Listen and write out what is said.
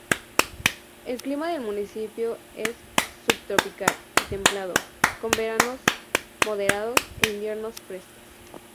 El clima del municipio es subtropical y templado, con veranos moderados e inviernos frescos.